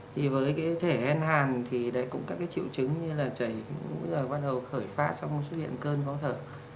thì với cái thể hen hàn thì đấy cũng các cái triệu chứng như là chảy bây giờ bắt đầu khởi phá xong xuất hiện cơn khó thở